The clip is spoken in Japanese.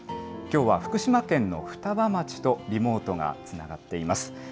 きょうは福島県の双葉町とリモートがつながっています。